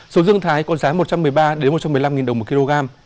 sầu riêng thái có giá một trăm một mươi ba một trăm một mươi năm đồng một kg